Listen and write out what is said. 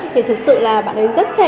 thì thật sự là bạn ấy rất là trẻ